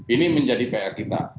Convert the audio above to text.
ini menjadi pr kita